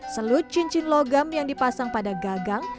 selut cincin logam yang dipasang pada gagang